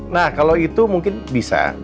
nah kalau itu mungkin bisa